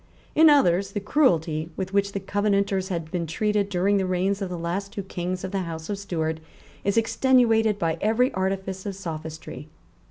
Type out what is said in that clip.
In others, the cruelty with which the Covenanters had been treated during the reigns of the last two kings of the House of Stuart is extenuated by every artifice of sophistry.